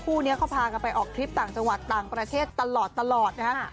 คู่นี้เขาพากันไปออกทริปต่างจังหวัดต่างประเทศตลอดนะฮะ